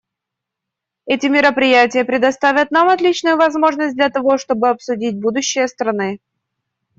Эти мероприятия предоставят нам отличную возможность для того, чтобы обсудить будущее страны.